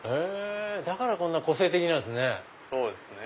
だからこんな個性的なんですね。